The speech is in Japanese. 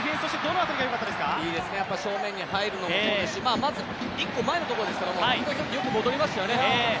いいですね、正面に入るのもそうですし、まず、１個前のところですけど伊藤洋輝、よく戻りましたよね。